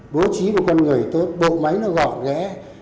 bố trí của con người tốt bộ máy nó gọn ghé